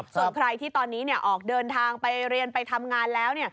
ส่วนใครที่ตอนนี้ออกเดินทางไปเรียนไปทำงานแล้ว